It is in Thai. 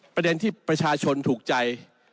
ประเด็นที่ประชาชนถูกใจ